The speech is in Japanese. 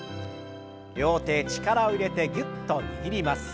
両手力を入れてぎゅっと握ります。